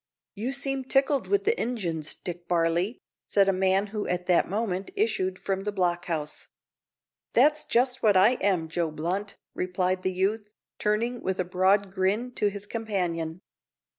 "You seem tickled wi' the Injuns, Dick Varley," said a man who at that moment issued from the blockhouse. "That's just what I am, Joe Blunt," replied the youth, turning with a broad grin to his companion.